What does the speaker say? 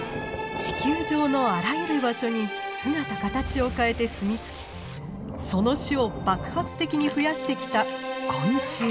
地球上のあらゆる場所に姿形を変えて住みつきその種を爆発的に増やしてきた昆虫。